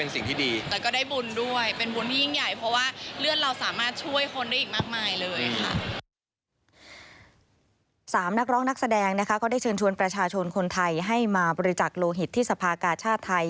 นักร้องนักร้องนักแสดงนะคะก็ได้เชิญชวนประชาชนคนไทยให้มาบริจักษ์โลหิตที่สภากาชาติไทย